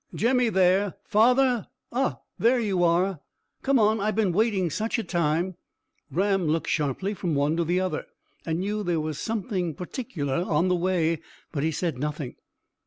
"Jemmy there, father? Ah, there you are! Come on. I've been waiting such a time." Ram looked sharply from one to the other, and knew there was something particular on the way, but he said nothing.